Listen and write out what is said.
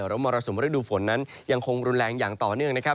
แล้วมรสุมฤดูฝนนั้นยังคงรุนแรงอย่างต่อเนื่องนะครับ